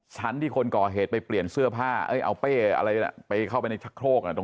ชั้นที่คนก่อเหตุไปเปลี่ยนเสื้อผ้าเอาเป้อะไรไปเข้าไปในชะโครก